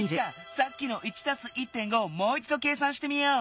さっきの「１＋１．５」をもういちど計算してみよう。